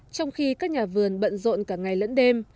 trong khi các nhà vườn bận rộn cả ngày lẫn đêm